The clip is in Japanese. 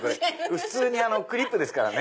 普通にクリップですからね。